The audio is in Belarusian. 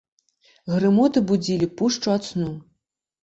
Грымоты будзілі пушчу ад сну.